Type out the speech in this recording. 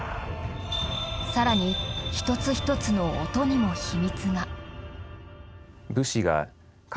更に一つ一つの音にも秘密が。